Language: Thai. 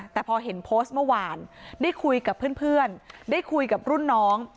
แต่พอเห็นโพสต์เมื่อวานได้คุยกับเพื่อนได้คุยกับรุ่นน้อง